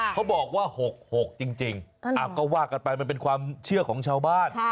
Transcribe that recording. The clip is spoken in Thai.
เขาบอกว่า๖๖จริงก็ว่ากันไปมันเป็นความเชื่อของชาวบ้าน